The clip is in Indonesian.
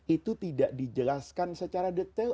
itu tidak dijelaskan secara detail